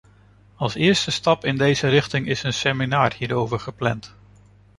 Als eerste stap in deze richting is een seminar hierover gepland.